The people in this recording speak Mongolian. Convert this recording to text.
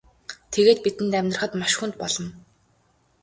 Тэгээд бидэнд амьдрахад маш хүнд болно.